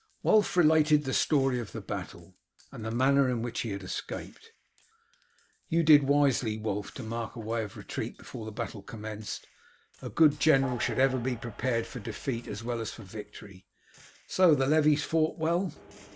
Wulf related the story of the battle, and the manner in which he had escaped. "You did wisely, Wulf, to mark a way of retreat before the battle commenced. A good general should ever be prepared for defeat as well as for victory. So the levies fought well?"